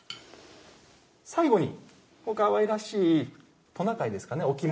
最後にかわいらしいトナカイですかね。